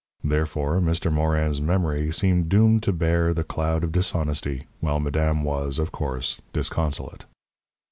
Therefore, Mr. Morin's memory seemed doomed to bear the cloud of dishonesty, while madame was, of course, disconsolate.